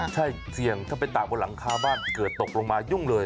ใช่เสี่ยงถ้าไปตากบนหลังคาบ้านเกิดตกลงมายุ่งเลย